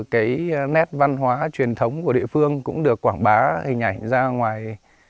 cái nét văn hóa truyền thống của địa phương cũng được quảng bá hình ảnh ra ngoài